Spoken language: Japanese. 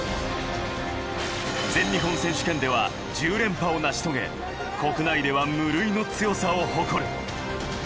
全日本選手権では１０連覇を成し遂げ、国内では無類の強さを誇る。